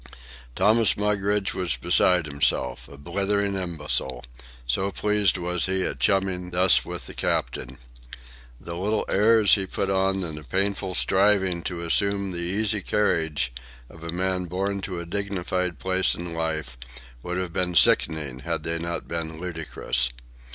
Thomas Mugridge was beside himself, a blithering imbecile, so pleased was he at chumming thus with the captain. The little airs he put on and the painful striving to assume the easy carriage of a man born to a dignified place in life would have been sickening had they not been ludicrous.